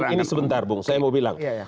ini sebentar bung saya mau bilang